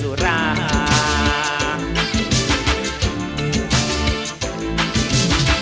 ร้องได้ให้ล้าน